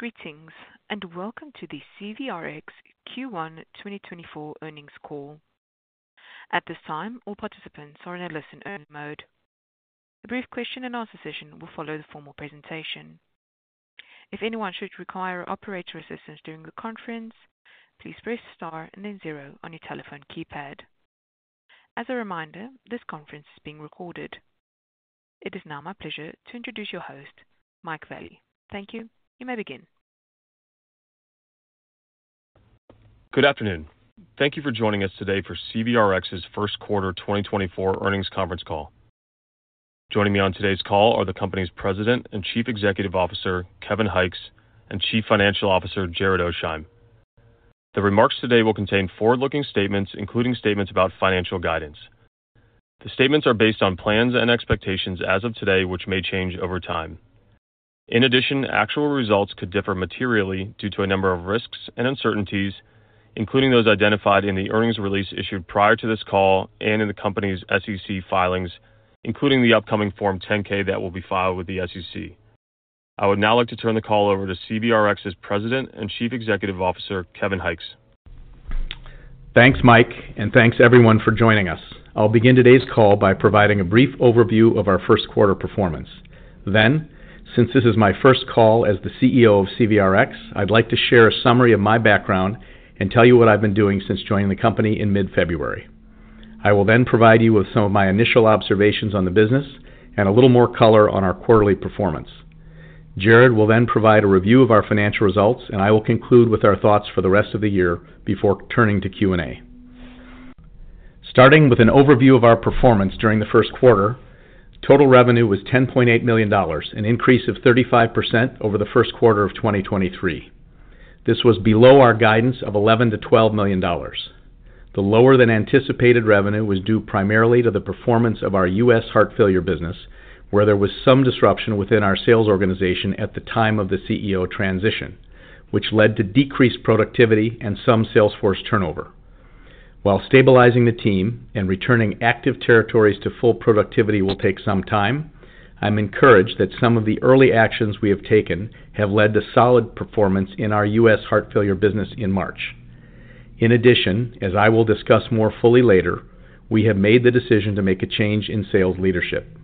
Greetings, and welcome to the CVRx Q1 2024 earnings call. At this time, all participants are in a listen-only mode. A brief Q&A session will follow the formal presentation. If anyone should require operator assistance during the conference, please press star and then zero on your telephone keypad. As a reminder, this conference is being recorded. It is now my pleasure to introduce your host, Mike Vallie. Thank you. You may begin. Good afternoon. Thank you for joining us today for CVRx's Q1 2024 earnings conference call. Joining me on today's call are the company's President and Chief Executive Officer, Kevin Hykes, and Chief Financial Officer, Jared Oasheim. The remarks today will contain forward-looking statements, including statements about financial guidance. The statements are based on plans and expectations as of today, which may change over time. In addition, actual results could differ materially due to a number of risks and uncertainties, including those identified in the earnings release issued prior to this call and in the company's SEC filings, including the upcoming Form 10-K that will be filed with the SEC. I would now like to turn the call over to CVRx's President and Chief Executive Officer, Kevin Hykes. Thanks, Mike, and thanks everyone for joining us. I'll begin today's call by providing a brief overview of our Q1 performance. Then, since this is my first call as the CEO of CVRx, I'd like to share a summary of my background and tell you what I've been doing since joining the company in mid-February. I will then provide you with some of my initial observations on the business and a little more color on our quarterly performance. Jared will then provide a review of our financial results, and I will conclude with our thoughts for the rest of the year before turning to Q&A. Starting with an overview of our performance during the Q1, total revenue was $10.8 million, an increase of 35% over the Q1 2023. This was below our guidance of $11 to 12 million. The lower than anticipated revenue was due primarily to the performance of our US heart failure business, where there was some disruption within our sales organization at the time of the CEO transition, which led to decreased productivity and some sales force turnover. While stabilizing the team and returning active territories to full productivity will take some time, I'm encouraged that some of the early actions we have taken have led to solid performance in our US heart failure business in March. In addition, as I will discuss more fully later, we have made the decision to make a change in sales leadership.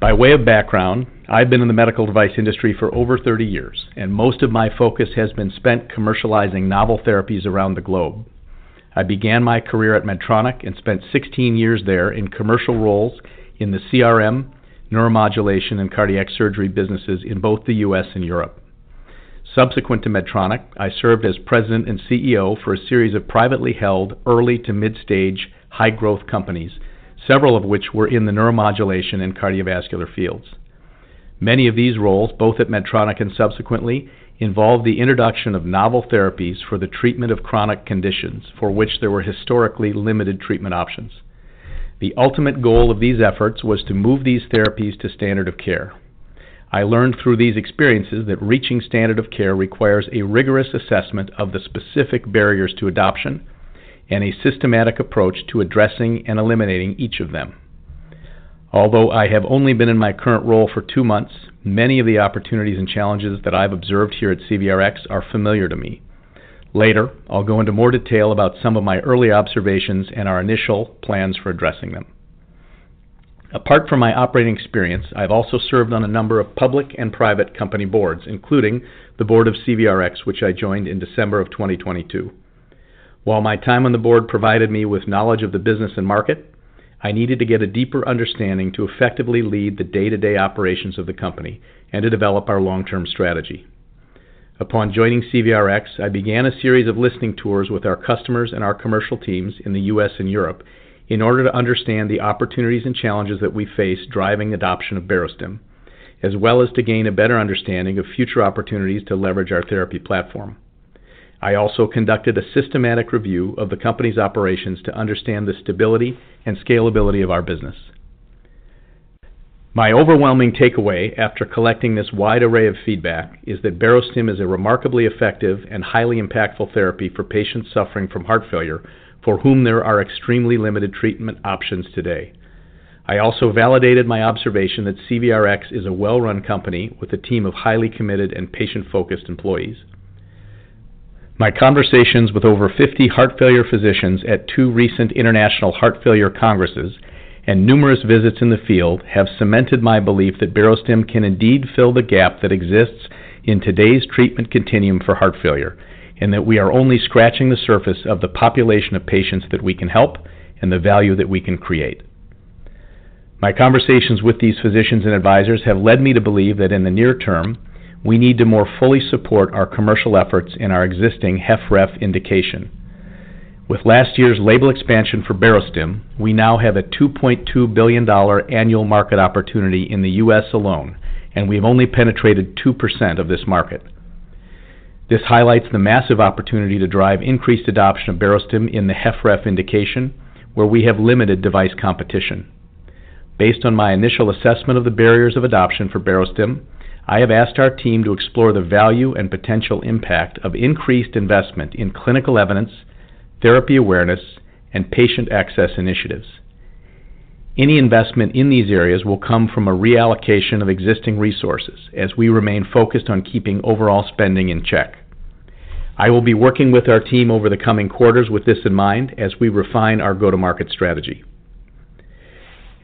By way of background, I've been in the medical device industry for over 30 years, and most of my focus has been spent commercializing novel therapies around the globe. I began my career at Medtronic and spent 16 years there in commercial roles in the CRM, neuromodulation, and cardiac surgery businesses in both the US and Europe. Subsequent to Medtronic, I served as President and CEO for a series of privately held, early to mid-stage high growth companies, several of which were in the neuromodulation and cardiovascular fields. Many of these roles, both at Medtronic and subsequently, involved the introduction of novel therapies for the treatment of chronic conditions for which there were historically limited treatment options. The ultimate goal of these efforts was to move these therapies to standard of care. I learned through these experiences that reaching standard of care requires a rigorous assessment of the specific barriers to adoption and a systematic approach to addressing and eliminating each of them. Although I have only been in my current role for two months, many of the opportunities and challenges that I've observed here at CVRx are familiar to me. Later, I'll go into more detail about some of my early observations and our initial plans for addressing them. Apart from my operating experience, I've also served on a number of public and private company boards, including the board of CVRx, which I joined in December 2022. While my time on the board provided me with knowledge of the business and market, I needed to get a deeper understanding to effectively lead the day-to-day operations of the company and to develop our long-term strategy. Upon joining CVRx, I began a series of listening tours with our customers and our commercial teams in the US and Europe in order to understand the opportunities and challenges that we face driving adoption of Barostim, as well as to gain a better understanding of future opportunities to leverage our therapy platform. I also conducted a systematic review of the company's operations to understand the stability and scalability of our business. My overwhelming takeaway after collecting this wide array of feedback is that Barostim is a remarkably effective and highly impactful therapy for patients suffering from heart failure, for whom there are extremely limited treatment options today. I also validated my observation that CVRx is a well-run company with a team of highly committed and patient-focused employees. My conversations with over 50 heart failure physicians at two recent international heart failure congresses and numerous visits in the field have cemented my belief that Barostim can indeed fill the gap that exists in today's treatment continuum for heart failure, and that we are only scratching the surface of the population of patients that we can help and the value that we can create. My conversations with these physicians and advisors have led me to believe that in the near term, we need to more fully support our commercial efforts in our existing HFrEF indication. With last year's label expansion for Barostim, we now have a $2.2 billion annual market opportunity in the US alone, and we've only penetrated 2% of this market. This highlights the massive opportunity to drive increased adoption of Barostim in the HFrEF indication, where we have limited device competition. Based on my initial assessment of the barriers of adoption for Barostim, I have asked our team to explore the value and potential impact of increased investment in clinical evidence, therapy awareness, and patient access initiatives. Any investment in these areas will come from a reallocation of existing resources as we remain focused on keeping overall spending in check. I will be working with our team over the coming quarters with this in mind as we refine our go-to-market strategy.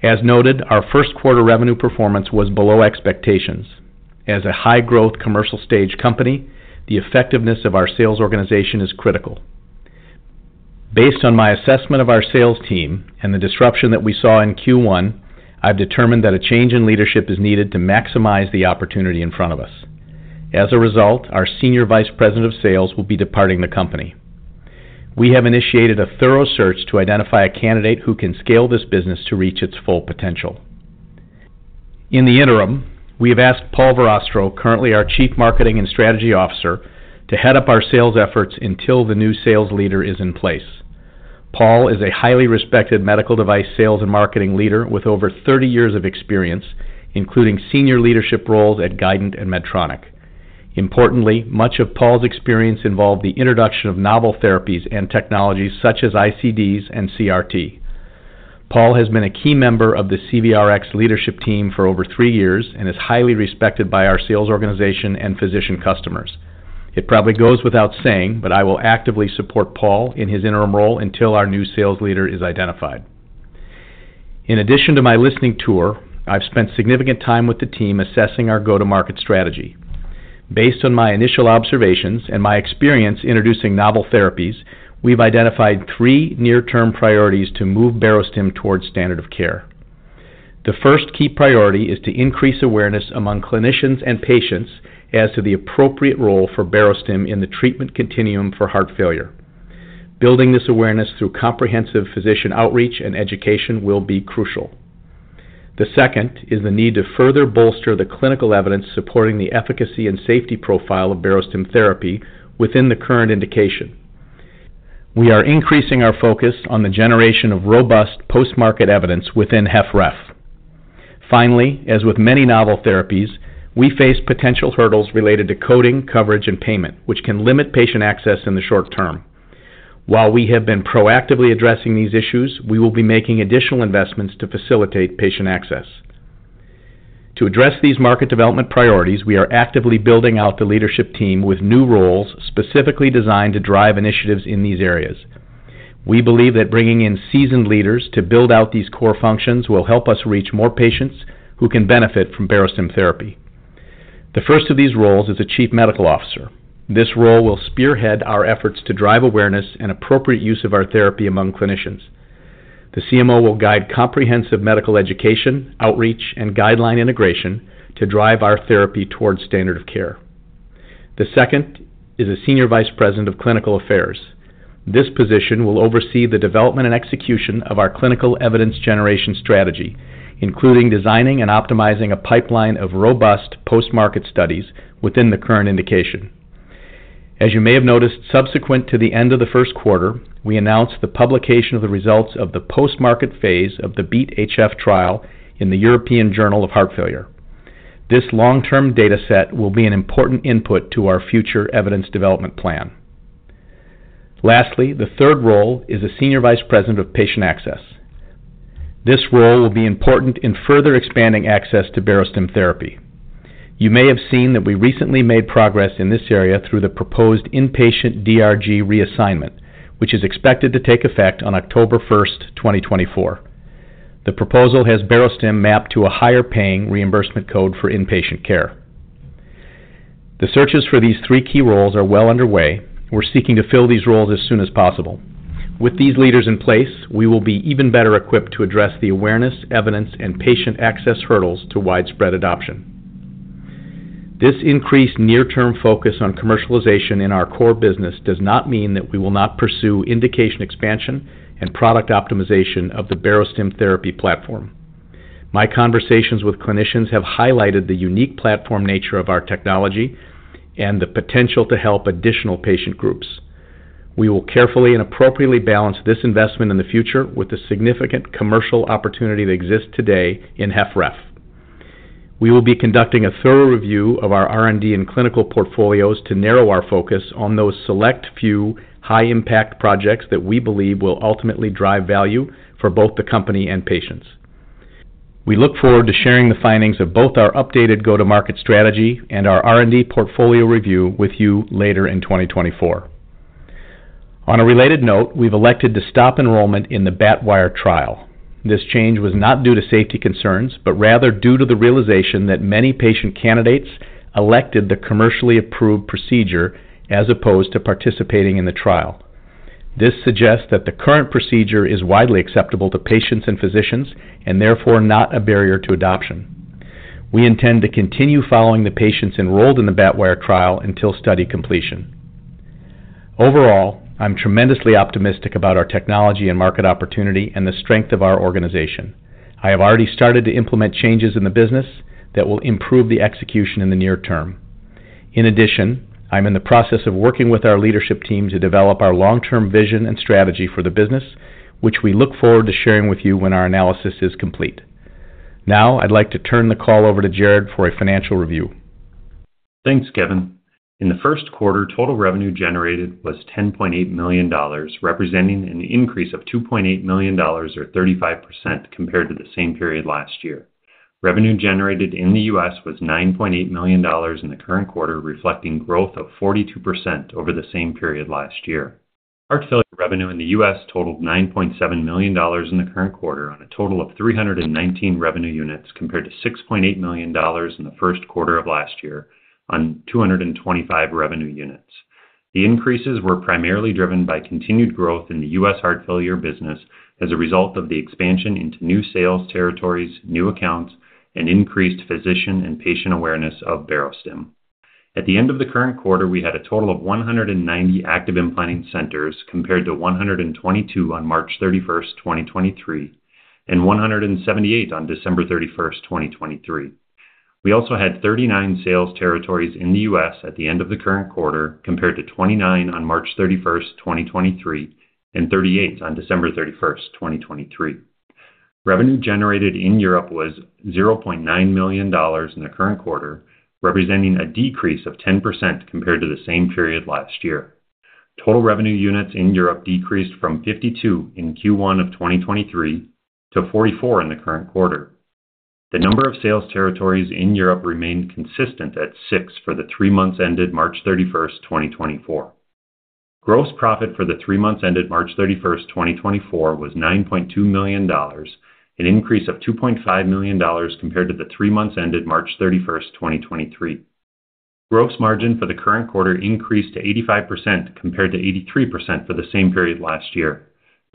As noted, our Q1 revenue performance was below expectations. As a high-growth commercial stage company, the effectiveness of our sales organization is critical. Based on my assessment of our sales team and the disruption that we saw in Q1, I've determined that a change in leadership is needed to maximize the opportunity in front of us. As a result, our Senior Vice President of Sales will be departing the company. We have initiated a thorough search to identify a candidate who can scale this business to reach its full potential. In the interim, we have asked Paul Verrastro, currently our Chief Marketing and Strategy Officer, to head up our sales efforts until the new sales leader is in place. Paul is a highly respected medical device sales and marketing leader with over 30 years of experience, including senior leadership roles at Guidant and Medtronic. Importantly, much of Paul's experience involved the introduction of novel therapies and technologies such as ICDs and CRT. Paul has been a key member of the CVRx leadership team for over three years and is highly respected by our sales organization and physician customers. It probably goes without saying, but I will actively support Paul in his interim role until our new sales leader is identified. In addition to my listening tour, I've spent significant time with the team assessing our go-to-market strategy. Based on my initial observations and my experience introducing novel therapies, we've identified three near-term priorities to move Barostim towards standard of care. The first key priority is to increase awareness among clinicians and patients as to the appropriate role for Barostim in the treatment continuum for heart failure. Building this awareness through comprehensive physician outreach and education will be crucial. The second is the need to further bolster the clinical evidence supporting the efficacy and safety profile of Barostim therapy within the current indication. We are increasing our focus on the generation of robust post-market evidence within HFrEF. Finally, as with many novel therapies, we face potential hurdles related to coding, coverage, and payment, which can limit patient access in the short term. While we have been proactively addressing these issues, we will be making additional investments to facilitate patient access. To address these market development priorities, we are actively building out the leadership team with new roles, specifically designed to drive initiatives in these areas. We believe that bringing in seasoned leaders to build out these core functions will help us reach more patients who can benefit from Barostim therapy. The first of these roles is the Chief Medical Officer. This role will spearhead our efforts to drive awareness and appropriate use of our therapy among clinicians. The CMO will guide comprehensive medical education, outreach, and guideline integration to drive our therapy toward standard of care. The second is a Senior Vice President of Clinical Affairs. This position will oversee the development and execution of our clinical evidence generation strategy, including designing and optimizing a pipeline of robust post-market studies within the current indication. As you may have noticed, subsequent to the end of the Q1, we announced the publication of the results of the post-market phase of the BeAT-HF in the European Journal of Heart Failure. This long-term data set will be an important input to our future evidence development plan. Lastly, the third role is the Senior Vice President of Patient Access. This role will be important in further expanding access to Barostim therapy. You may have seen that we recently made progress in this area through the proposed inpatient DRG reassignment, which is expected to take effect on 1 October 2024. The proposal has Barostim mapped to a higher-paying reimbursement code for inpatient care. The searches for these three key roles are well underway. We're seeking to fill these roles as soon as possible. With these leaders in place, we will be even better equipped to address the awareness, evidence, and patient access hurdles to widespread adoption. This increased near-term focus on commercialization in our core business does not mean that we will not pursue indication expansion and product optimization of the Barostim therapy platform. My conversations with clinicians have highlighted the unique platform nature of our technology and the potential to help additional patient groups. We will carefully and appropriately balance this investment in the future with the significant commercial opportunity that exists today in HFrEF. We will be conducting a thorough review of our R&D and clinical portfolios to narrow our focus on those select few high-impact projects that we believe will ultimately drive value for both the company and patients. We look forward to sharing the findings of both our updated go-to-market strategy and our R&D portfolio review with you later in 2024. On a related note, we've elected to stop enrollment in the BATwire Trial. This change was not due to safety concerns, but rather due to the realization that many patient candidates elected the commercially approved procedure as opposed to participating in the trial. This suggests that the current procedure is widely acceptable to patients and physicians, and therefore not a barrier to adoption. We intend to continue following the patients enrolled in the BATwire Trial until study completion. Overall, I'm tremendously optimistic about our technology and market opportunity and the strength of our organization. I have already started to implement changes in the business that will improve the execution in the near term. In addition, I'm in the process of working with our leadership team to develop our long-term vision and strategy for the business, which we look forward to sharing with you when our analysis is complete. Now, I'd like to turn the call over to Jared for a financial review.... Thanks, Kevin. In the Q1, total revenue generated was $10.8 million, representing an increase of $2.8 million or 35% compared to the same period last year. Revenue generated in the US was $9.8 million in the current quarter, reflecting growth of 42% over the same period last year. Heart failure revenue in the US totaled $9.7 million in the current quarter on a total of 319 revenue units, compared to $6.8 million in the Q1 of last year on 225 revenue units. The increases were primarily driven by continued growth in the US heart failure business as a result of the expansion into new sales territories, new accounts, and increased physician and patient awareness of Barostim. At the end of the current quarter, we had a total of 190 active implanting centers, compared to 122 on 31 March 2023, and 178 on 31 December 2023. We also had 39 sales territories in the US at the end of the current quarter, compared to 29 on 31 March 2023, and 38 on 31 December 2023. Revenue generated in Europe was $0.9 million in the current quarter, representing a decrease of 10% compared to the same period last year. Total revenue units in Europe decreased from 52 in Q1 2023 to 44 in the current quarter. The number of sales territories in Europe remained consistent at six for the three months ended 31 March 2024. Gross profit for the three months ended 31 March 2024, was $9.2 million, an increase of $2.5 million compared to the three months ended 31 March 2023. Gross margin for the current quarter increased to 85%, compared to 83% for the same period last year.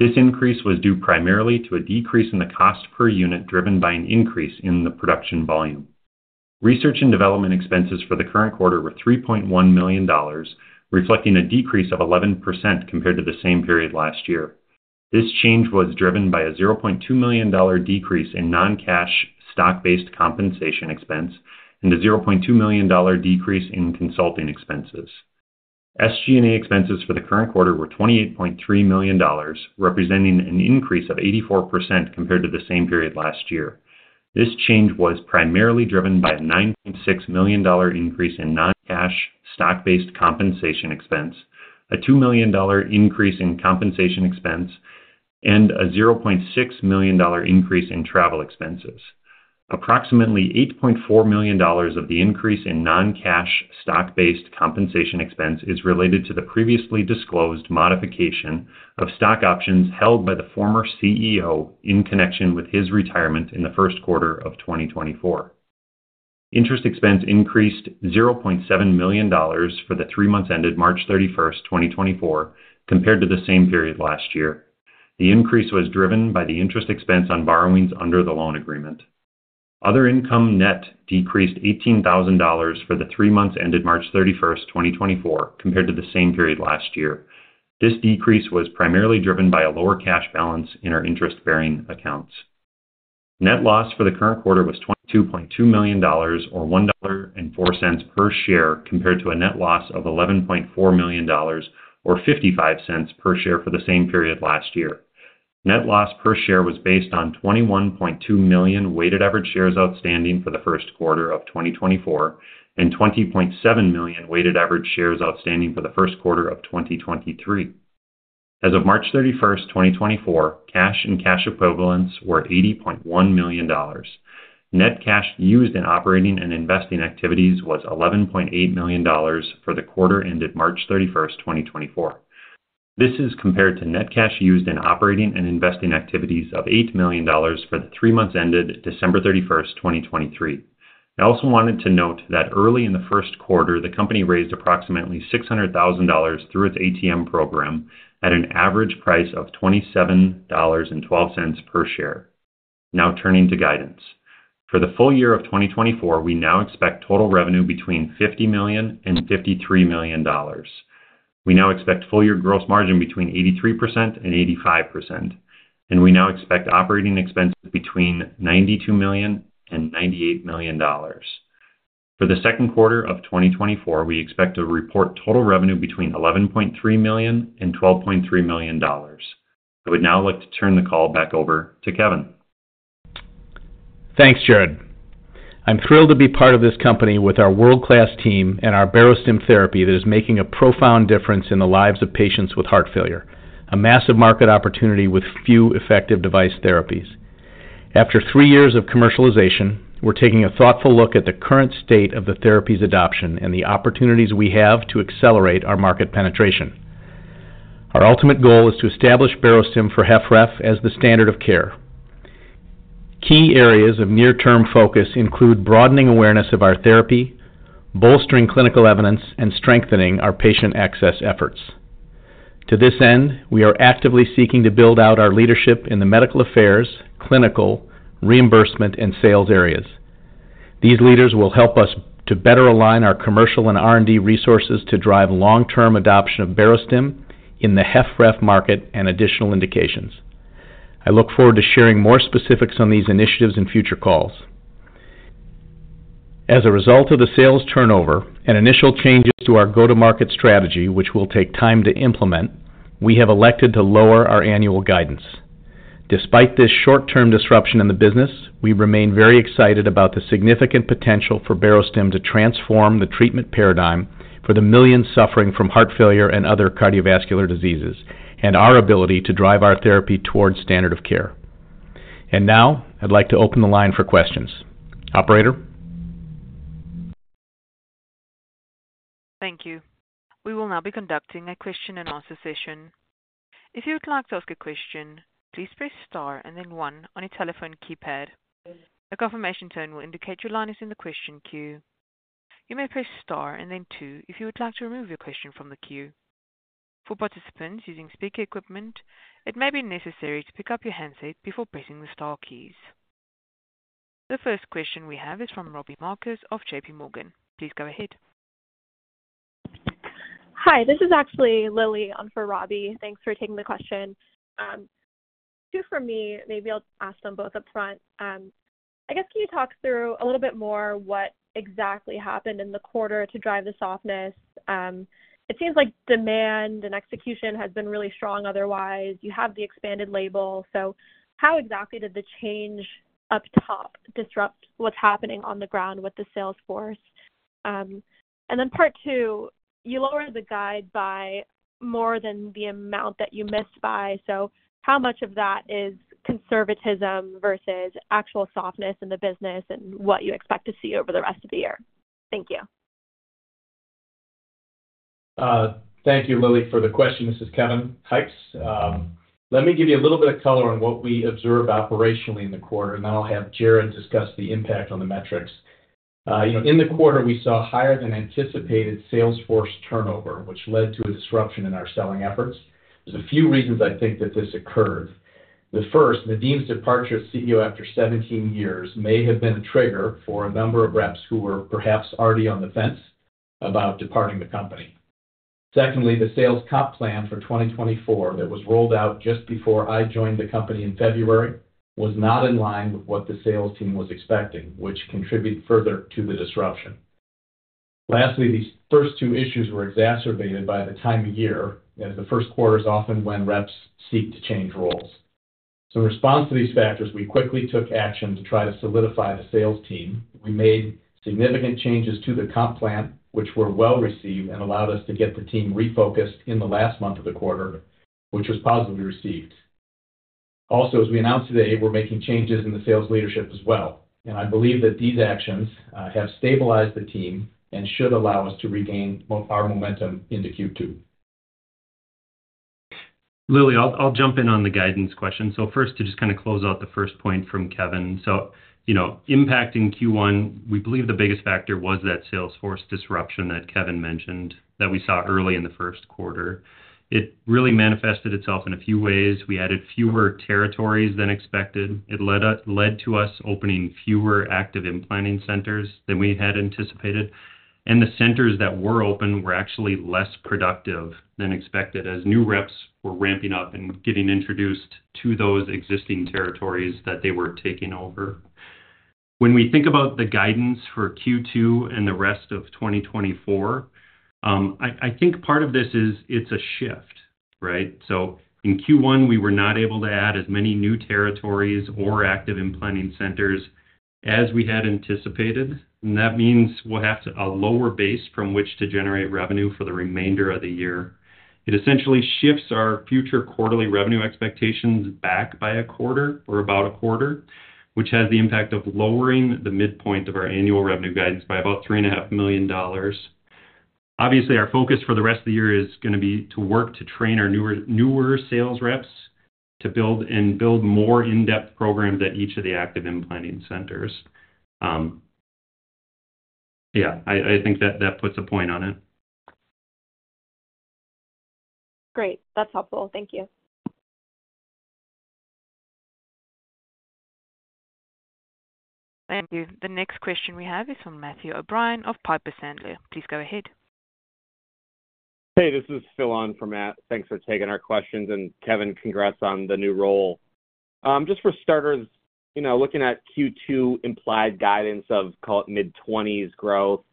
This increase was due primarily to a decrease in the cost per unit, driven by an increase in the production volume. Research and development expenses for the current quarter were $3.1 million, reflecting a decrease of 11% compared to the same period last year. This change was driven by a $0.2 million decrease in non-cash stock-based compensation expense and a $0.2 million decrease in consulting expenses. SG&A expenses for the current quarter were $28.3 million, representing an increase of 84% compared to the same period last year. This change was primarily driven by a $9.6 million increase in non-cash stock-based compensation expense, a $2 million increase in compensation expense, and a $0.6 million increase in travel expenses. Approximately $8.4 million of the increase in non-cash stock-based compensation expense is related to the previously disclosed modification of stock options held by the former CEO in connection with his retirement in the Q1 2024. Interest expense increased $0.7 million for the three months ended 31 March 2024, compared to the same period last year. The increase was driven by the interest expense on borrowings under the loan agreement. Other income net decreased $18,000 for the three months ended 31 March 2024, compared to the same period last year. This decrease was primarily driven by a lower cash balance in our interest-bearing accounts. Net loss for the current quarter was $22.2 million, or $1.04 per share, compared to a net loss of $11.4 million, or $0.55 per share, for the same period last year. Net loss per share was based on 21.2 million weighted average shares outstanding for the Q1 2024 and 20.7 million weighted average shares outstanding for the Q1 2023. As of 31 March 2024, cash and cash equivalents were $80.1 million. Net cash used in operating and investing activities was $11.8 million for the quarter ended 31 March 2024. This is compared to net cash used in operating and investing activities of $8 million for the three months ended 31 December 2023. I also wanted to note that early in the Q1, the company raised approximately $600,000 through its ATM program at an average price of $27.12 per share. Now, turning to guidance. For the full year of 2024, we now expect total revenue between $50 million and $53 million. We now expect full year gross margin between 83% and 85%, and we now expect operating expenses between $92 million and $98 million. For the Q2 2024, we expect to report total revenue between $11.3 million and $12.3 million. I would now like to turn the call back over to Kevin. Thanks, Jared. I'm thrilled to be part of this company with our world-class team and our Barostim therapy that is making a profound difference in the lives of patients with heart failure, a massive market opportunity with few effective device therapies. After three years of commercialization, we're taking a thoughtful look at the current state of the therapy's adoption and the opportunities we have to accelerate our market penetration. Our ultimate goal is to establish Barostim for HFrEF as the standard of care. Key areas of near-term focus include broadening awareness of our therapy, bolstering clinical evidence, and strengthening our patient access efforts. To this end, we are actively seeking to build out our leadership in the medical affairs, clinical, reimbursement, and sales areas. These leaders will help us to better align our commercial and R&D resources to drive long-term adoption of Barostim in the HFrEF market and additional indications. I look forward to sharing more specifics on these initiatives in future calls. As a result of the sales turnover and initial changes to our go-to-market strategy, which will take time to implement, we have elected to lower our annual guidance. Despite this short-term disruption in the business, we remain very excited about the significant potential for Barostim to transform the treatment paradigm for the millions suffering from heart failure and other cardiovascular diseases, and our ability to drive our therapy towards standard of care. Now I'd like to open the line for questions. Operator? Thank you. We will now be conducting a Q&A session. If you would like to ask a question, please press star and then one on your telephone keypad. A confirmation tone will indicate your line is in the question queue. You may press star and then two if you would like to remove your question from the queue. For participants using speaker equipment, it may be necessary to pick up your handset before pressing the star keys. The first question we have is from Robbie Marcus of JPMorgan. Please go ahead. Hi, this is actually Lilly on for Robbie. Thanks for taking the question. Two for me. Maybe I'll ask them both up front. I guess, can you talk through a little bit more what exactly happened in the quarter to drive the softness? It seems like demand and execution has been really strong otherwise. You have the expanded label. So how exactly did the change up top disrupt what's happening on the ground with the sales force? And then part two, you lowered the guide by more than the amount that you missed by. So how much of that is conservatism versus actual softness in the business, and what you expect to see over the rest of the year? Thank you. Thank you, Lilly, for the question. This is Kevin Hykes. Let me give you a little bit of color on what we observed operationally in the quarter, and then I'll have Jared discuss the impact on the metrics. In the quarter, we saw higher than anticipated sales force turnover, which led to a disruption in our selling efforts. There's a few reasons I think that this occurred. The first, Nadim's departure as CEO after 17 years may have been a trigger for a number of reps who were perhaps already on the fence about departing the company. Secondly, the sales comp plan for 2024, that was rolled out just before I joined the company in February, was not in line with what the sales team was expecting, which contributed further to the disruption. Lastly, these first two issues were exacerbated by the time of year, as the Q1 is often when reps seek to change roles. So in response to these factors, we quickly took action to try to solidify the sales team. We made significant changes to the comp plan, which were well received and allowed us to get the team refocused in the last month of the quarter, which was positively received. Also, as we announced today, we're making changes in the sales leadership as well, and I believe that these actions have stabilized the team and should allow us to regain our momentum into Q2. Lilly, I'll jump in on the guidance question. So first, to just kind of close out the first point from Kevin. So you know, impacting Q1, we believe the biggest factor was that sales force disruption that Kevin mentioned that we saw early in the Q1. It really manifested itself in a few ways. We added fewer territories than expected. It led to us opening fewer active implanting centers than we had anticipated, and the centers that were open were actually less productive than expected as new reps were ramping up and getting introduced to those existing territories that they were taking over. When we think about the guidance for Q2 and the rest of 2024, I think part of this is it's a shift, right? So in Q1, we were not able to add as many new territories or active implanting centers as we had anticipated, and that means we'll have to... a lower base from which to generate revenue for the remainder of the year. It essentially shifts our future quarterly revenue expectations back by a quarter or about a quarter, which has the impact of lowering the midpoint of our annual revenue guidance by about $3.5 million. Obviously, our focus for the rest of the year is going to be to work to train our newer sales reps, to build more in-depth programs at each of the active implanting centers. Yeah, I think that puts a point on it. Great. That's helpful. Thank you. Thank you. The next question we have is from Matthew O'Brien of Piper Sandler. Please go ahead. Hey, this is Phil on for Matt. Thanks for taking our questions, and Kevin, congrats on the new role. Just for starters, you know, looking at Q2 implied guidance of call it mid-20s growth,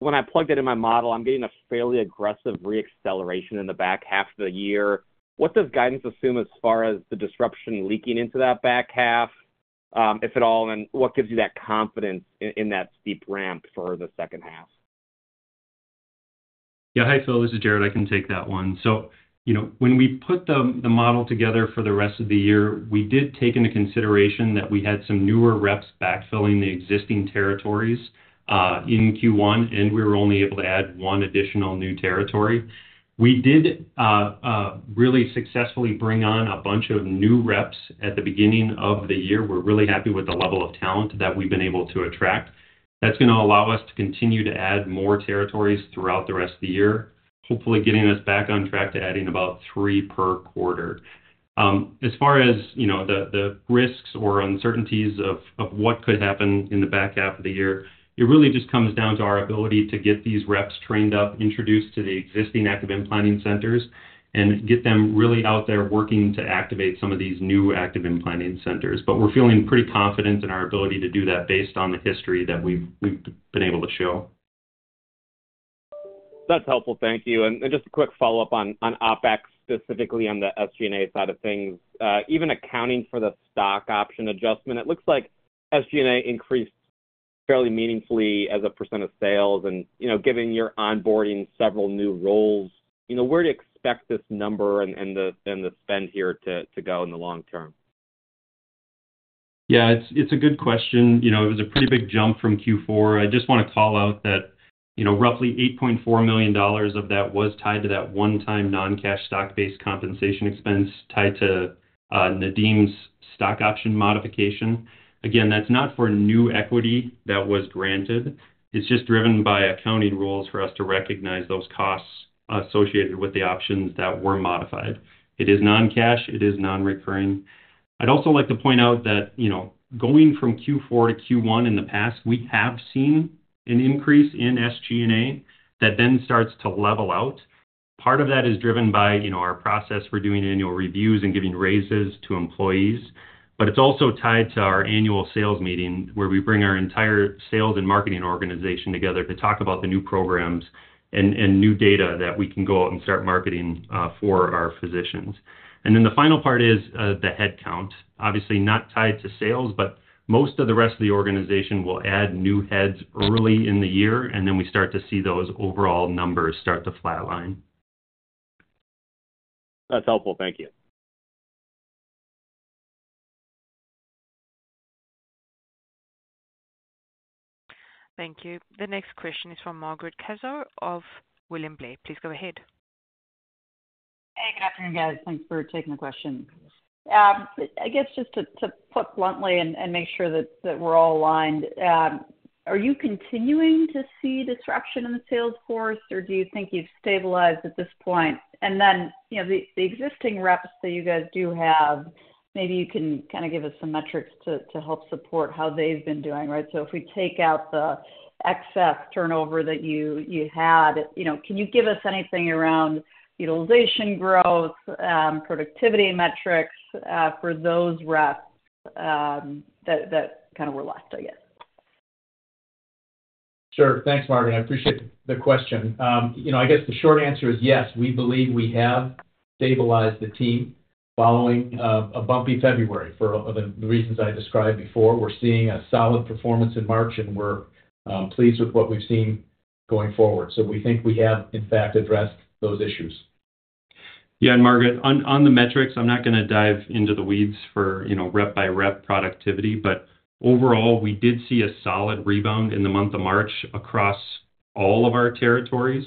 when I plugged it in my model, I'm getting a fairly aggressive re-acceleration in the back half of the year. What does guidance assume as far as the disruption leaking into that back half, if at all? And what gives you that confidence in that steep ramp for the H2? Yeah. Hi, Phil, this is Jared. I can take that one. So, you know, when we put the model together for the rest of the year, we did take into consideration that we had some newer reps backfilling the existing territories in Q1, and we were only able to add one additional new territory. We did really successfully bring on a bunch of new reps at the beginning of the year. We're really happy with the level of talent that we've been able to attract. That's going to allow us to continue to add more territories throughout the rest of the year, hopefully getting us back on track to adding about three per quarter. As far as, you know, the risks or uncertainties of what could happen in the back half of the year, it really just comes down to our ability to get these reps trained up, introduced to the existing active implanting centers and get them really out there working to activate some of these new active implanting centers. But we're feeling pretty confident in our ability to do that based on the history that we've been able to show.... That's helpful. Thank you. And just a quick follow-up on OpEx, specifically on the SG&A side of things. Even accounting for the stock option adjustment, it looks like SG&A increased fairly meaningfully as a percent of sales. And, you know, given you're onboarding several new roles, you know, where to expect this number and the spend here to go in the long term? Yeah, it's a good question. You know, it was a pretty big jump from Q4. I just want to call out that, you know, roughly $8.4 million of that was tied to that one-time non-cash stock-based compensation expense tied to Nadim's stock option modification. Again, that's not for new equity that was granted. It's just driven by accounting rules for us to recognize those costs associated with the options that were modified. It is non-cash, it is non-recurring. I'd also like to point out that, you know, going from Q4 to Q1 in the past, we have seen an increase in SG&A that then starts to level out. Part of that is driven by, you know, our process for doing annual reviews and giving raises to employees. But it's also tied to our annual sales meeting, where we bring our entire sales and marketing organization together to talk about the new programs and new data that we can go out and start marketing for our physicians. And then the final part is the headcount. Obviously, not tied to sales, but most of the rest of the organization will add new heads early in the year, and then we start to see those overall numbers start to flatline. That's helpful. Thank you. Thank you. The next question is from Margaret Kaczor of William Blair. Please go ahead. Hey, good afternoon, guys. Thanks for taking the question. I guess just to put bluntly and make sure that we're all aligned, are you continuing to see disruption in the sales force, or do you think you've stabilized at this point? And then, you know, the existing reps that you guys do have, maybe you can kind of give us some metrics to help support how they've been doing, right? So if we take out the excess turnover that you had, you know, can you give us anything around utilization growth, productivity metrics, for those reps, that kind of were left, I guess? Sure. Thanks, Margaret. I appreciate the question. You know, I guess the short answer is yes, we believe we have stabilized the team following a bumpy February for the reasons I described before. We're seeing a solid performance in March, and we're pleased with what we've seen going forward. So we think we have, in fact, addressed those issues. Yeah, and Margaret, on the metrics, I'm not going to dive into the weeds for, you know, rep by rep productivity, but overall, we did see a solid rebound in the month of March across all of our territories.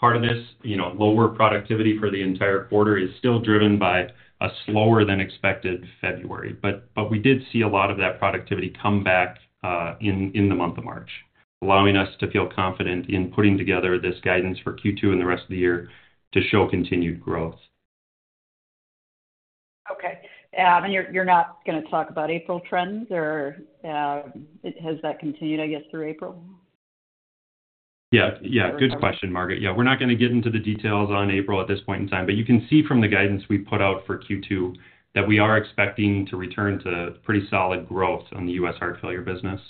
Part of this, you know, lower productivity for the entire quarter is still driven by a slower than expected February. But we did see a lot of that productivity come back in the month of March, allowing us to feel confident in putting together this guidance for Q2 and the rest of the year to show continued growth. Okay. And you're, you're not gonna talk about April trends, or has that continued, I guess, through April? Yeah. Yeah. Good question, Margaret. Yeah, we're not going to get into the details on April at this point in time, but you can see from the guidance we've put out for Q2 that we are expecting to return to pretty solid growth on the US heart failure business.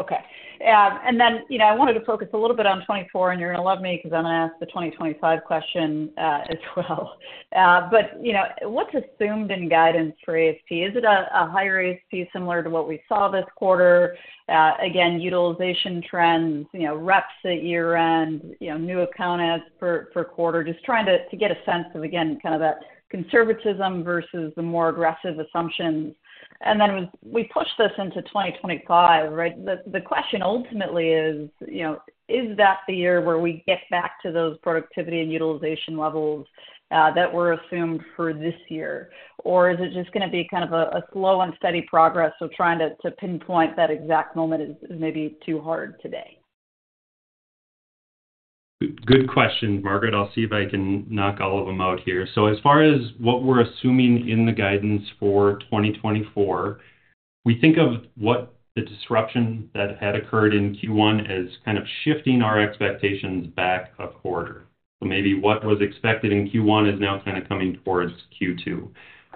Okay. And then, you know, I wanted to focus a little bit on 2024, and you're going to love me because then I'll ask the 2025 question, as well. But you know, what's assumed in guidance for ASP? Is it a higher ASP similar to what we saw this quarter? Again, utilization trends, you know, reps at year-end, you know, new account adds for quarter. Just trying to get a sense of, again, kind of that conservatism versus the more aggressive assumptions. And then we push this into 2025, right? The question ultimately is, you know, is that the year where we get back to those productivity and utilization levels that were assumed for this year? Or is it just going to be kind of a slow and steady progress, so trying to pinpoint that exact moment is maybe too hard today? Good, good question, Margaret. I'll see if I can knock all of them out here. So as far as what we're assuming in the guidance for 2024, we think of what the disruption that had occurred in Q1 as kind of shifting our expectations back a quarter. So maybe what was expected in Q1 is now kind of coming towards Q2.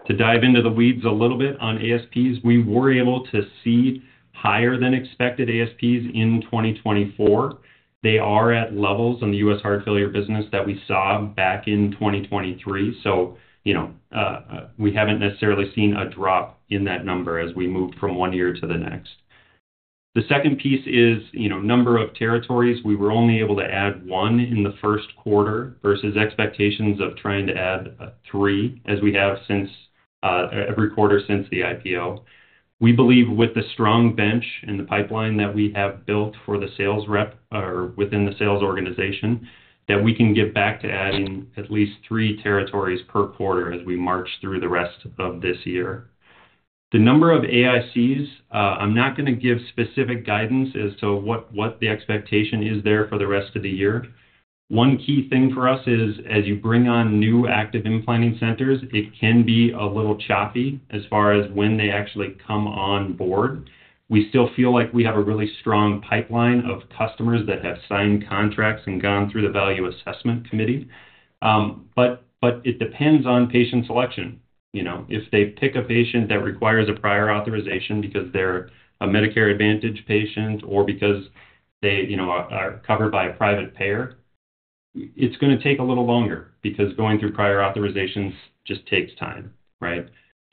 To dive into the weeds a little bit on ASPs, we were able to see higher than expected ASPs in 2024. They are at levels in the US heart failure business that we saw back in 2023. So, you know, we haven't necessarily seen a drop in that number as we move from one year to the next. The second piece is, you know, number of territories. We were only able to add one in the Q1 versus expectations of trying to add three, as we have since every quarter since the IPO. We believe with the strong bench and the pipeline that we have built for the sales rep or within the sales organization, that we can get back to adding at least three territories per quarter as we march through the rest of this year. The number of AICs, I'm not going to give specific guidance as to what, what the expectation is there for the rest of the year. One key thing for us is, as you bring on new active implanting centers, it can be a little choppy as far as when they actually come on board. We still feel like we have a really strong pipeline of customers that have signed contracts and gone through the Value Assessment Committee. But it depends on patient selection. You know, if they pick a patient that requires a prior authorization because they're a Medicare Advantage patient or because they, you know, are covered by a private payer, it's gonna take a little longer, because going through prior authorizations just takes time, right?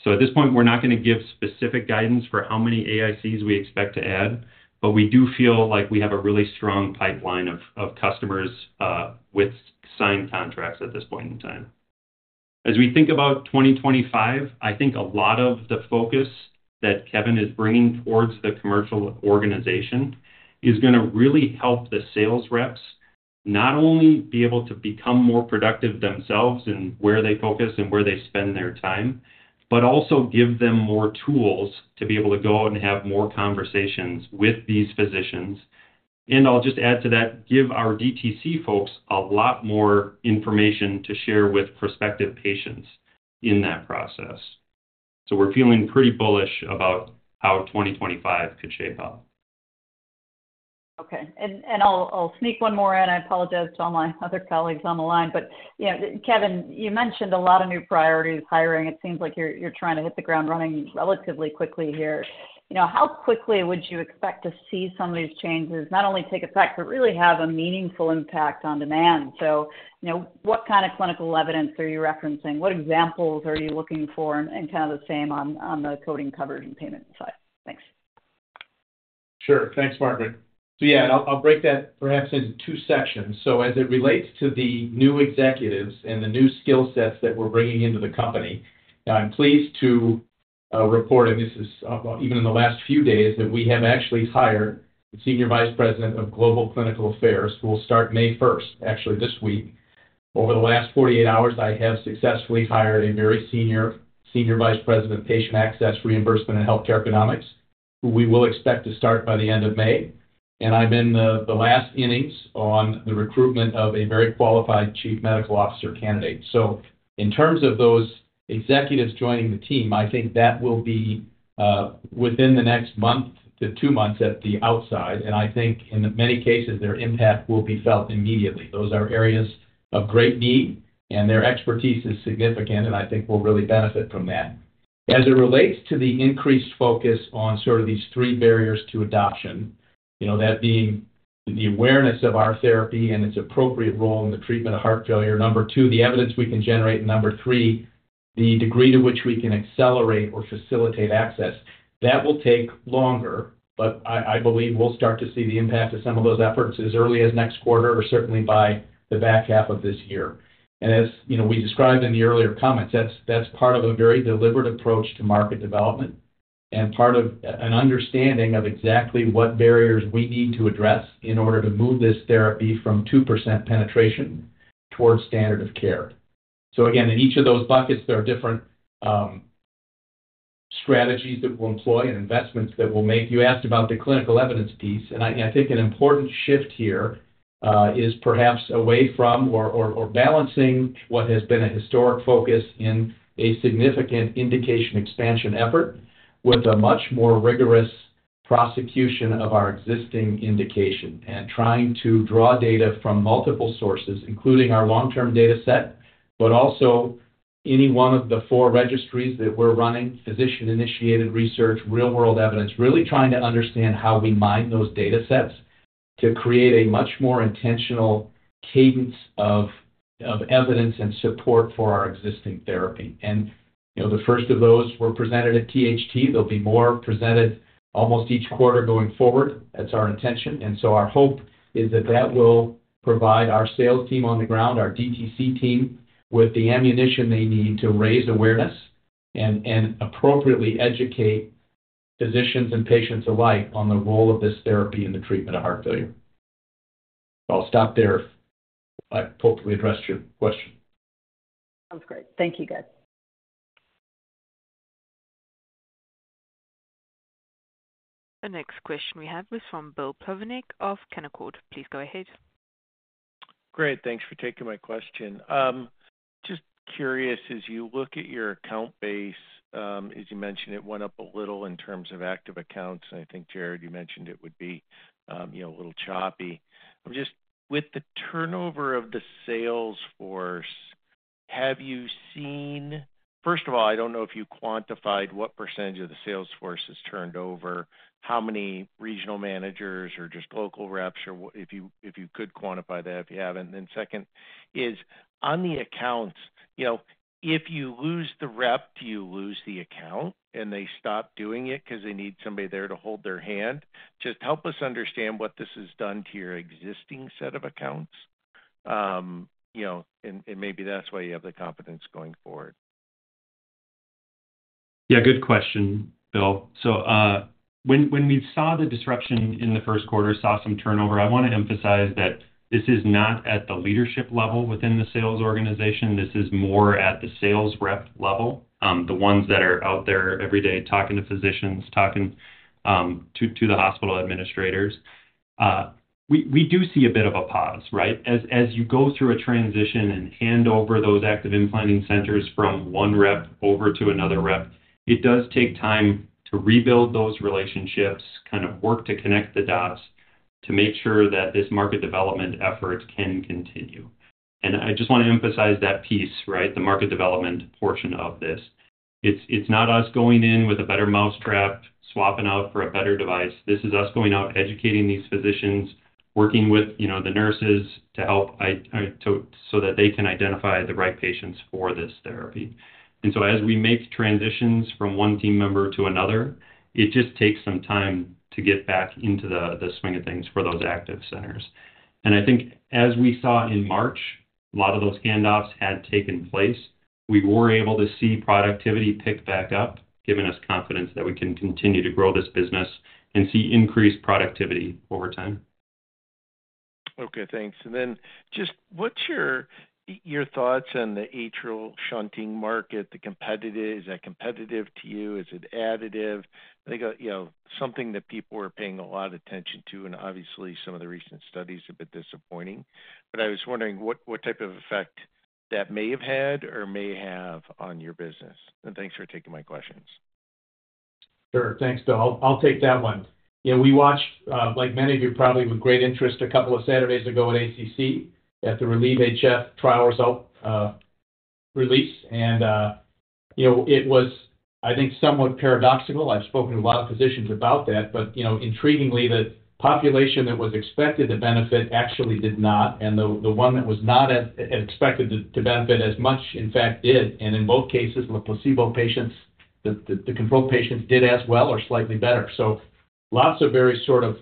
So at this point, we're not gonna give specific guidance for how many AICs we expect to add, but we do feel like we have a really strong pipeline of customers with signed contracts at this point in time. As we think about 2025, I think a lot of the focus that Kevin is bringing towards the commercial organization is gonna really help the sales reps not only be able to become more productive themselves in where they focus and where they spend their time, but also give them more tools to be able to go out and have more conversations with these physicians. And I'll just add to that, give our DTC folks a lot more information to share with prospective patients in that process. So we're feeling pretty bullish about how 2025 could shape up. Okay, and I'll sneak one more in. I apologize to all my other colleagues on the line. But, you know, Kevin, you mentioned a lot of new priorities, hiring. It seems like you're trying to hit the ground running relatively quickly here. You know, how quickly would you expect to see some of these changes not only take effect, but really have a meaningful impact on demand? So, you know, what kind of clinical evidence are you referencing? What examples are you looking for? And kind of the same on the coding, coverage, and payment side. Thanks. Sure. Thanks, Margaret. So yeah, I'll break that perhaps into two sections. So as it relates to the new executives and the new skill sets that we're bringing into the company, I'm pleased to report, and this is even in the last few days, that we have actually hired a Senior Vice President of Global Clinical Affairs, who will start 1 May, actually this week. Over the last 48 hours, I have successfully hired a very senior Senior Vice President of Patient Access, Reimbursement, and Healthcare Economics, who we will expect to start by the end of May. And I'm in the last innings on the recruitment of a very qualified Chief Medical Officer candidate. So in terms of those executives joining the team, I think that will be within the next month to two months at the outside, and I think in many cases, their impact will be felt immediately. Those are areas of great need, and their expertise is significant, and I think we'll really benefit from that. As it relates to the increased focus on sort of these three barriers to adoption, you know, that being the awareness of our therapy and its appropriate role in the treatment of heart failure. Number two, the evidence we can generate, and number three, the degree to which we can accelerate or facilitate access. That will take longer, but I, I believe we'll start to see the impact of some of those efforts as early as next quarter or certainly by the back half of this year. And as you know, we described in the earlier comments, that's part of a very deliberate approach to market development and part of an understanding of exactly what barriers we need to address in order to move this therapy from 2% penetration towards standard of care. So again, in each of those buckets, there are different strategies that we'll employ and investments that we'll make. You asked about the clinical evidence piece, and I think an important shift here is perhaps away from or balancing what has been a historic focus in a significant indication expansion effort with a much more rigorous prosecution of our existing indication. Trying to draw data from multiple sources, including our long-term dataset, but also any one of the four registries that we're running, physician-initiated research, real-world evidence. Really trying to understand how we mine those datasets to create a much more intentional cadence of evidence and support for our existing therapy. And you know, the first of those were presented at THT. There'll be more presented almost each quarter going forward. That's our intention. And so our hope is that that will provide our sales team on the ground, our DTC team, with the ammunition they need to raise awareness and appropriately educate physicians and patients alike on the role of this therapy in the treatment of heart failure. I'll stop there. I hopefully addressed your question. Sounds great. Thank you, guys. The next question we have is from Bill Plovanic of Canaccord. Please go ahead. Great. Thanks for taking my question. Just curious, as you look at your account base, as you mentioned, it went up a little in terms of active accounts, and I think, Jared, you mentioned it would be, you know, a little choppy. I'm just with the turnover of the sales force. Have you seen, first of all, I don't know if you quantified what percentage of the sales force has turned over, how many regional managers or just local reps, or if you could quantify that, if you haven't. And then second is, on the accounts, you know, if you lose the rep, do you lose the account, and they stop doing it because they need somebody there to hold their hand? Just help us understand what this has done to your existing set of accounts. You know, and maybe that's why you have the confidence going forward. Yeah, good question, Bill. So, when we saw the disruption in the Q1, saw some turnover, I want to emphasize that this is not at the leadership level within the sales organization. This is more at the sales rep level, the ones that are out there every day talking to physicians, talking to the hospital administrators. We do see a bit of a pause, right? As you go through a transition and hand over those active implanting centers from one rep over to another rep, it does take time to rebuild those relationships, kind of work to connect the dots... to make sure that this market development effort can continue. And I just want to emphasize that piece, right? The market development portion of this. It's not us going in with a better mousetrap, swapping out for a better device. This is us going out, educating these physicians, working with, you know, the nurses to help so that they can identify the right patients for this therapy. And so as we make transitions from one team member to another, it just takes some time to get back into the swing of things for those active centers. And I think as we saw in March, a lot of those handoffs had taken place. We were able to see productivity pick back up, giving us confidence that we can continue to grow this business and see increased productivity over time. Okay, thanks. And then just what's your, your thoughts on the atrial shunting market, the competitive... Is that competitive to you? Is it additive? I think, you know, something that people are paying a lot of attention to, and obviously some of the recent studies are a bit disappointing. But I was wondering what, what type of effect that may have had or may have on your business. And thanks for taking my questions. Sure. Thanks, Bill. I'll take that one. Yeah, we watched, like many of you, probably with great interest, a couple of Saturdays ago at ACC, at the RELIEVE-HF Trial result release. And, you know, it was, I think, somewhat paradoxical. I've spoken to a lot of physicians about that, but, you know, intriguingly, the population that was expected to benefit actually did not, and the one that was not as expected to benefit as much, in fact, did. And in both cases, the placebo patients, the control patients did as well or slightly better. So lots of very sort of,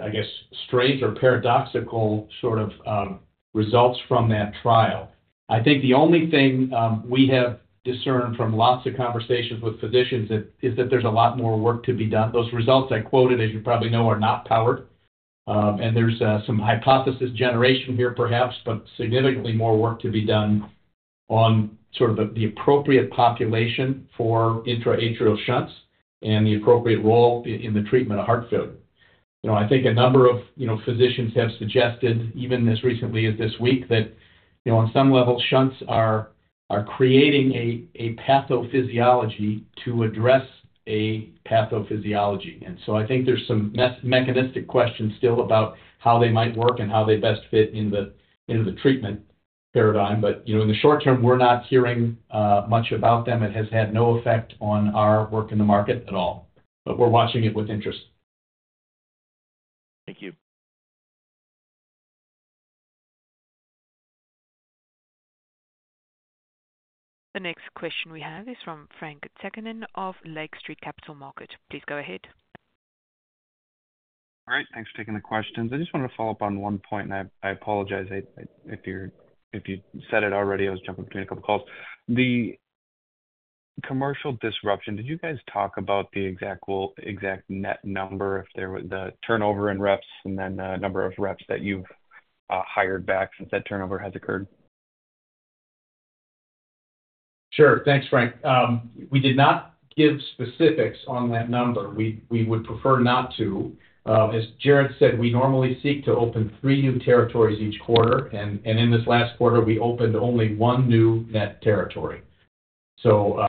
I guess, strange or paradoxical sort of, results from that trial. I think the only thing we have discerned from lots of conversations with physicians is that there's a lot more work to be done. Those results I quoted, as you probably know, are not powered. And there's some hypothesis generation here, perhaps, but significantly more work to be done on sort of the appropriate population for intra-atrial shunts and the appropriate role in the treatment of heart failure. You know, I think a number of, you know, physicians have suggested, even as recently as this week, that, you know, on some level, shunts are creating a pathophysiology to address a pathophysiology. And so I think there's some mechanistic questions still about how they might work and how they best fit in the treatment paradigm. But, you know, in the short term, we're not hearing much about them. It has had no effect on our work in the market at all, but we're watching it with interest. Thank you. The next question we have is from Frank Takkinen of Lake Street Capital Markets. Please go ahead. All right, thanks for taking the questions. I just wanted to follow up on one point, and I apologize if you're, if you said it already. I was jumping between a couple of calls. The commercial disruption, did you guys talk about the exact goal, exact net number, if there was the turnover in reps and then the number of reps that you've hired back since that turnover has occurred? Sure. Thanks, Frank. We did not give specifics on that number. We would prefer not to. As Jared said, we normally seek to open three new territories each quarter, and in this last quarter, we opened only one new net territory. So,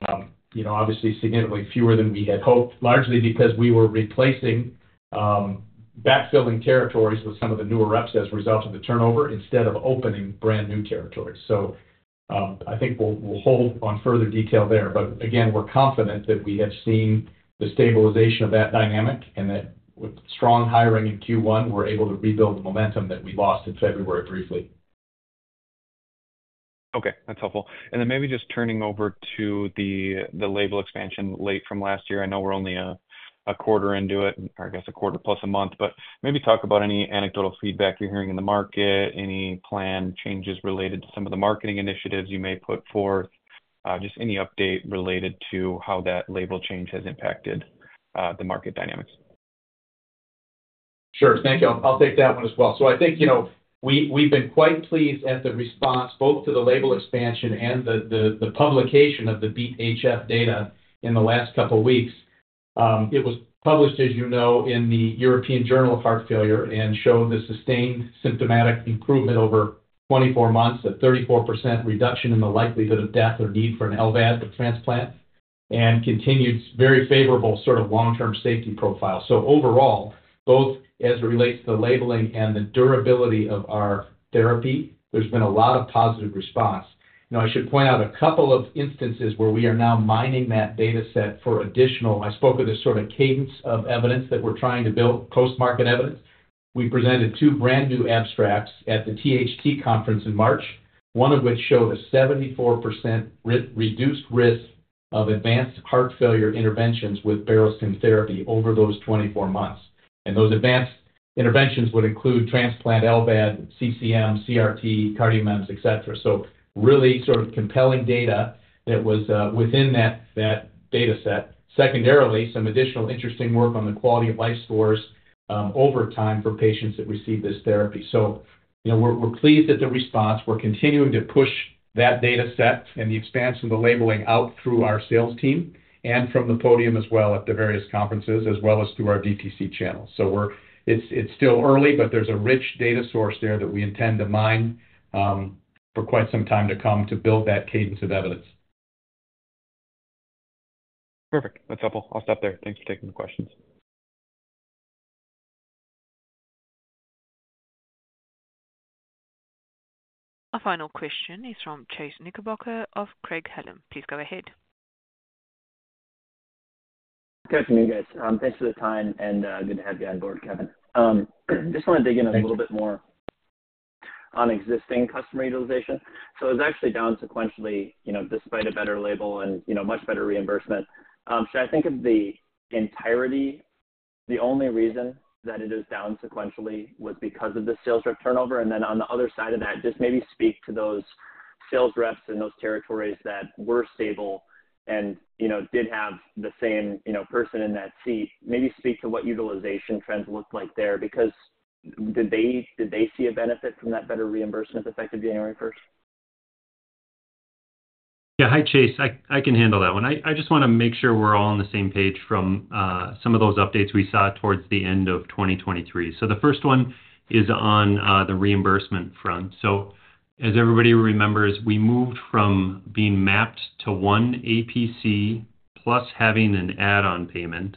you know, obviously significantly fewer than we had hoped, largely because we were replacing, backfilling territories with some of the newer reps as a result of the turnover, instead of opening brand-new territories. So, I think we'll hold on further detail there. But again, we're confident that we have seen the stabilization of that dynamic and that with strong hiring in Q1, we're able to rebuild the momentum that we lost in February briefly. Okay, that's helpful. And then maybe just turning over to the label expansion late from last year. I know we're only a quarter into it, or I guess a quarter plus a month, but maybe talk about any anecdotal feedback you're hearing in the market, any planned changes related to some of the marketing initiatives you may put forth, just any update related to how that label change has impacted the market dynamics? Sure. Thank you. I'll take that one as well. So I think, you know, we, we've been quite pleased at the response both to the label expansion and the publication of the BeAT-HF data in the last couple of weeks. It was published, as you know, in the European Journal of Heart Failure and showed the sustained symptomatic improvement over 24 months, a 34% reduction in the likelihood of death or need for an LVAD or transplant, and continued very favorable sort of long-term safety profile. So overall, both as it relates to the labeling and the durability of our therapy, there's been a lot of positive response. Now, I should point out a couple of instances where we are now mining that data set for additional... I spoke with a sort of cadence of evidence that we're trying to build, post-market evidence. We presented two brand new abstracts at the THT conference in March, one of which showed a 74% reduced risk of advanced heart failure interventions with Barostim therapy over those 24 months. And those advanced interventions would include transplant, LVAD, CCM, CRT, CardioMEMS, etc. So really sort of compelling data that was within that data set. Secondarily, some additional interesting work on the quality-of-life scores over time for patients that received this therapy. So you know, we're pleased at the response. We're continuing to push that data set and the expansion of the labeling out through our sales team and from the podium as well at the various conferences, as well as through our DTC channels. So we're...It's, it's still early, but there's a rich data source there that we intend to mine, for quite some time to come to build that cadence of evidence.... Perfect. That's helpful. I'll stop there. Thanks for taking the questions. Our final question is from Chase Knickerbocker of Craig-Hallum. Please go ahead. Good afternoon, guys. Thanks for the time, and good to have you on board, Kevin. Just want to dig in a little bit more on existing customer utilization. So it's actually down sequentially, you know, despite a better label and, you know, much better reimbursement. Should I think of the entirety, the only reason that it is down sequentially was because of the sales rep turnover? And then on the other side of that, just maybe speak to those sales reps in those territories that were stable and, you know, did have the same, you know, person in that seat. Maybe speak to what utilization trends looked like there, because did they, did they see a benefit from that better reimbursement effect of January first? Yeah. Hi, Chase. I can handle that one. I just want to make sure we're all on the same page from some of those updates we saw towards the end of 2023. So the first one is on the reimbursement front. So as everybody remembers, we moved from being mapped to one APC, plus having an add-on payment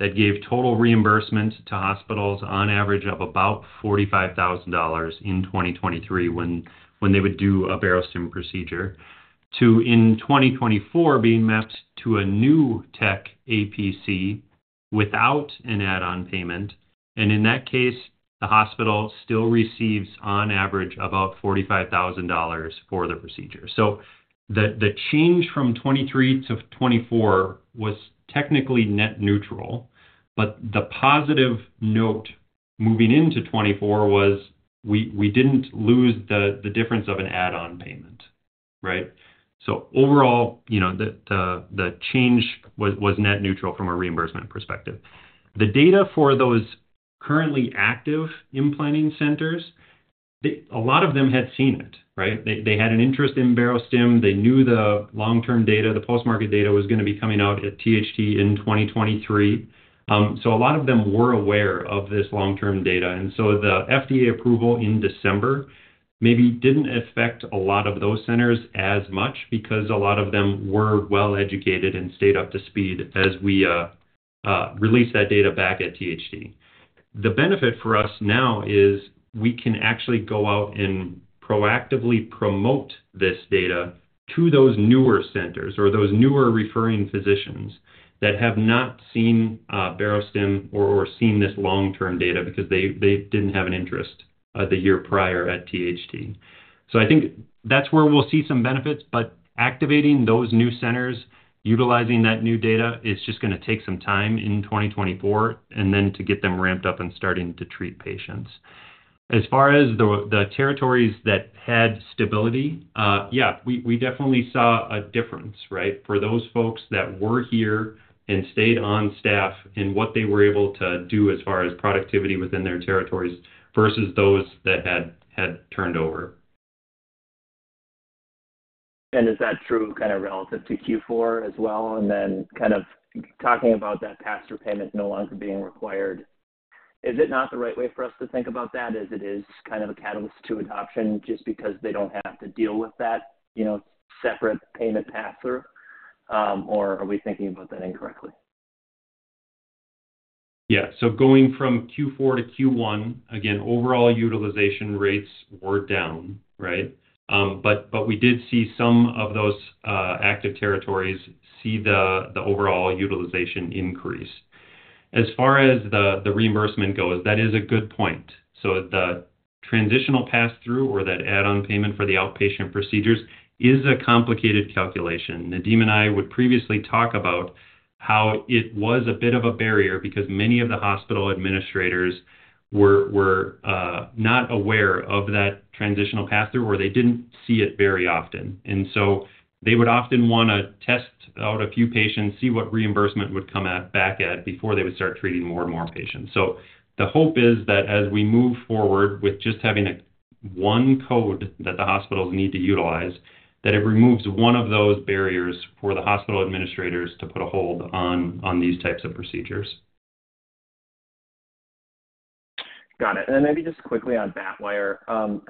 that gave total reimbursement to hospitals on average of about $45,000 in 2023, when they would do a Barostim procedure. To in 2024, being mapped to a new tech APC without an add-on payment, and in that case, the hospital still receives on average about $45,000 for the procedure. So the change from 2023 to 2024 was technically net neutral, but the positive note moving into 2024 was we didn't lose the difference of an add-on payment, right? So overall, you know, the change was net neutral from a reimbursement perspective. The data for those currently active implanting centers. A lot of them had seen it, right? They had an interest in Barostim. They knew the long-term data, the post-market data was going to be coming out at THT in 2023. So a lot of them were aware of this long-term data, and so the FDA approval in December maybe didn't affect a lot of those centers as much, because a lot of them were well-educated and stayed up to speed as we released that data back at THT. The benefit for us now is we can actually go out and proactively promote this data to those newer centers or those newer referring physicians that have not seen, Barostim or, or seen this long-term data because they, they didn't have an interest, the year prior at THT. So I think that's where we'll see some benefits, but activating those new centers, utilizing that new data, is just gonna take some time in 2024, and then to get them ramped up and starting to treat patients. As far as the territories that had stability, yeah, we definitely saw a difference, right? For those folks that were here and stayed on staff, and what they were able to do as far as productivity within their territories versus those that had turned over. Is that true, kind of, relative to Q4 as well? Then kind of talking about that pass-through payment no longer being required, is it not the right way for us to think about that, as it is kind of a catalyst to adoption just because they don't have to deal with that, you know, separate payment pass-through, or are we thinking about that incorrectly? Yeah. So going from Q4 to Q1, again, overall utilization rates were down, right? But we did see some of those active territories see the overall utilization increase. As far as the reimbursement goes, that is a good point. So the transitional pass-through or that add-on payment for the outpatient procedures is a complicated calculation. Nadim and I would previously talk about how it was a bit of a barrier because many of the hospital administrators were not aware of that transitional pass-through, or they didn't see it very often. And so they would often want to test out a few patients, see what reimbursement would come back at, before they would start treating more and more patients. So the hope is that as we move forward with just having a one code that the hospitals need to utilize, that it removes one of those barriers for the hospital administrators to put a hold on these types of procedures. Got it. And then maybe just quickly on BATwire.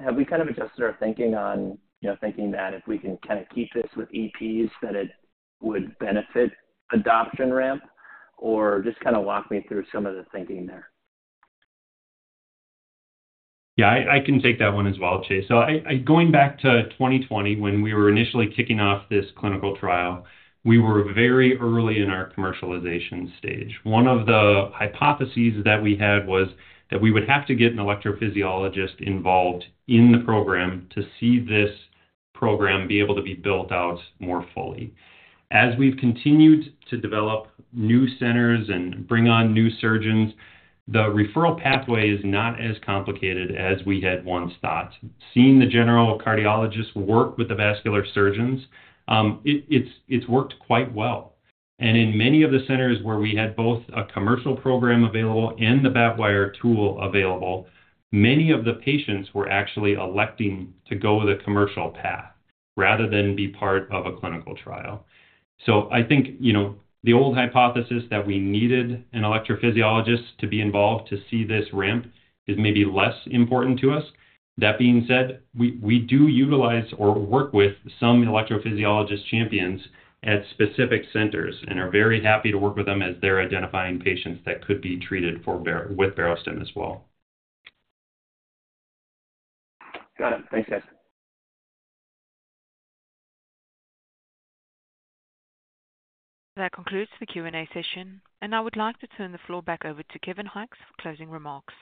Have we kind of adjusted our thinking on, you know, thinking that if we can kind of keep this with EPs, that it would benefit adoption ramp? Or just kind of walk me through some of the thinking there. Yeah, I can take that one as well, Chase. So, going back to 2020, when we were initially kicking off this clinical trial, we were very early in our commercialization stage. One of the hypotheses that we had was that we would have to get an electrophysiologist involved in the program to see this program be able to be built out more fully. As we've continued to develop new centers and bring on new surgeons, the referral pathway is not as complicated as we had once thought. Seeing the general cardiologists work with the vascular surgeons, it's worked quite well. And in many of the centers where we had both a commercial program available and the BATwire tool available, many of the patients were actually electing to go the commercial path rather than be part of a clinical trial. So I think, you know, the old hypothesis that we needed an electrophysiologist to be involved to see this ramp is maybe less important to us. That being said, we do utilize or work with some electrophysiologist champions at specific centers and are very happy to work with them as they're identifying patients that could be treated for Baro- with Barostim as well. Got it. Thanks, guys. That concludes the Q&A session, and I would like to turn the floor back over to Kevin Hykes for closing remarks.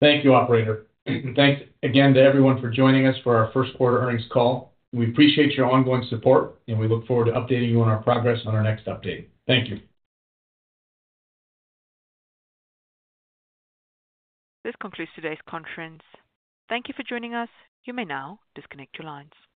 Thank you, operator, and thanks again to everyone for joining us for our Q1 earnings call. We appreciate your ongoing support, and we look forward to updating you on our progress on our next update. Thank you. This concludes today's conference. Thank you for joining us. You may now disconnect your lines.